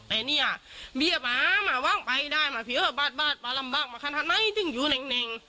แต่นี่อะเบี้ยปลามาว้างไปได้มาเผียร์บาดมาลำบากมาคันธรรมไหนตึงอยู่แหล่ง